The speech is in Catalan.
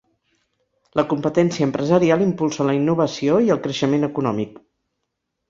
La competència empresarial impulsa la innovació i el creixement econòmic.